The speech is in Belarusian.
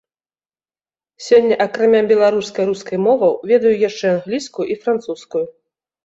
Сёння акрамя беларускай, рускай моваў, ведаю яшчэ англійскую і французскую.